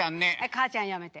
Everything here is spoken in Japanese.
「かあちゃん」やめて。